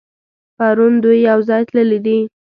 پرون دوی يوځای تللي دي.